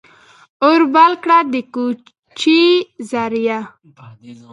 اور بل کړه ، د کوچي زریه !